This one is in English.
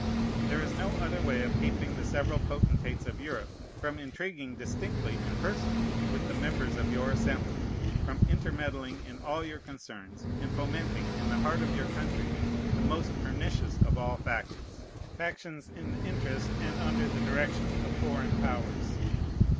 There is no other way of keeping the several potentates of Europe from intriguing distinctly and personally with the members of your Assembly, from intermeddling in all your concerns, and fomenting, in the heart of your country, the most pernicious of all factions, factions in the interest and under the direction of foreign powers.